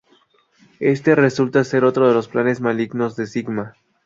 Éste resulta ser otro de los planes malignos de Sigma.